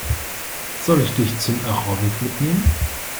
Soll ich dich zum Aerobic mitnehmen?